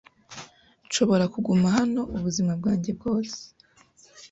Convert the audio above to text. Nshobora kuguma hano ubuzima bwanjye bwose